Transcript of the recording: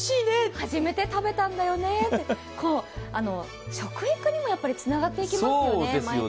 初めて食べたんだよねと、食育にもつながっていきますよね。